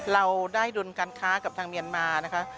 เราได้ดุลการค้ากับทางเมียนมานะคะ